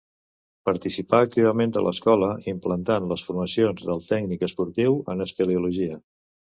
Participà activament de l'escola implantant les formacions del Tècnic Esportiu en Espeleologia.